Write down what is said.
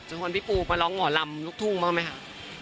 ค่ะจะโทนพี่ปู่มาร้องหมอลำลูกทุ่งบ้างไหมค่ะ